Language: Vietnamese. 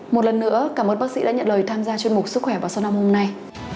một lần nữa cảm ơn bác sĩ đã nhận lời tham gia chuyên mục sức khỏe vào sáng năm hôm nay